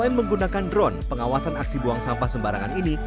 selain menggunakan drone pengawasan aksi buang sampah sembarangan ini